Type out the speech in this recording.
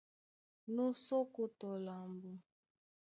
Nú sí ókó tɔ lambo.